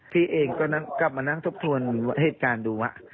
พี่เองก็กลับมานั่งทบทวนเหตุการณ์ดูว่า